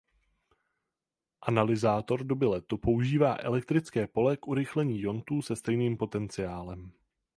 Analyzátor doby letu používá elektrické pole k urychlení iontů se stejným potenciálem.